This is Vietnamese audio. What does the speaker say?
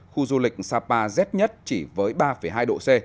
khu du lịch sapa rét nhất chỉ với ba hai độ c